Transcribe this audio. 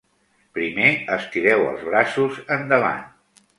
Primer estireu els braços endavant.